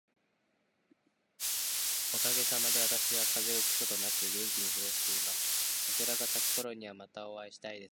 おかげさまで、私は風邪をひくこともなく元気に過ごしています。桜が咲くころには、またお会いしたいですね。